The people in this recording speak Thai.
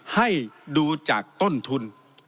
ให้ดูจากต้นทุน